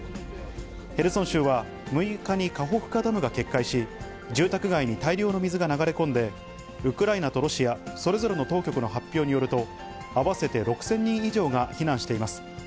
ヘルソン州は、６日にカホフカダムが決壊し、住宅街に大量の水が流れ込んで、ウクライナとロシア、それぞれの当局の発表によると、合わせて６０００人以上が避難しています。